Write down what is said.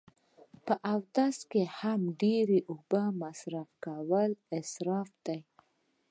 په اودس هم ډیری اوبه مصرف کول اصراف دی